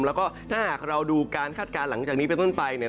แล้วก็ถ้าหากเราดูการคาดการณ์หลังจากนี้เป็นต้นไป